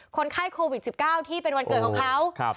คนไข้โควิดสิบเก้าที่เป็นวันเกิดของเขาครับ